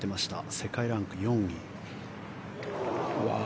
世界ランク４位。